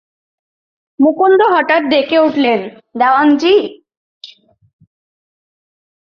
মুকুন্দ হঠাৎ ডেকে উঠলেন, দেওয়ানজি?